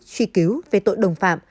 truy cứu về tội đồng phạm